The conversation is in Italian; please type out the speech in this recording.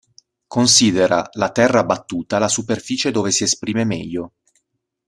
Considera la terra battuta la superficie dove si esprime meglio.